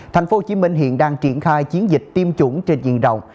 thành phố hồ chí minh hiện đang triển khai chiến dịch tiêm chủng trên diện rộng